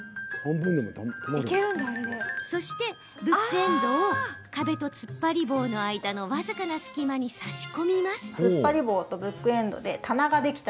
そして、ブックエンドを壁とつっぱり棒の間の僅かな隙間に差し込みます。